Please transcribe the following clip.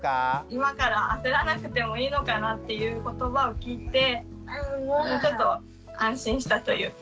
今から焦らなくてもいいのかなっていう言葉を聞いてちょっと安心したというか。